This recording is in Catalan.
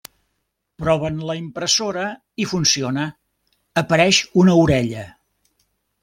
Proven la impressora i funciona, apareix una orella.